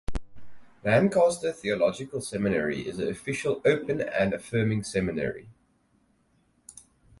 Lancaster Theological Seminary is an official Open and affirming seminary.